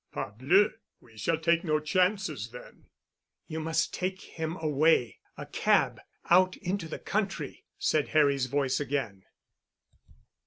"Parbleu! We shall take no chances then." "You must take him away—a cab—out into the country," said Harry's voice again.